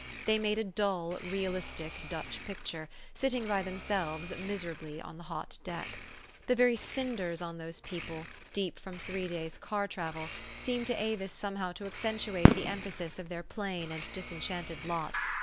They made a dull, realistic Dutch picture, sitting by themselves, miser ably on the hot deck. The very cinders on those people, deep from three days' car travel, seemed to Avis somehow to accentuate the emphasis of their plain and disenchanted lot.